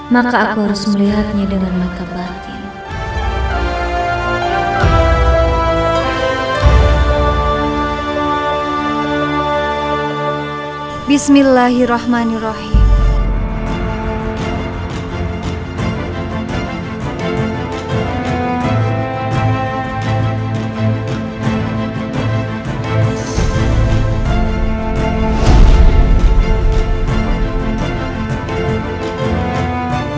maka aku harus melihatnya dengan mata batin